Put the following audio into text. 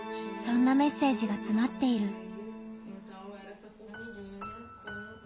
そんなメッセージがつまっている。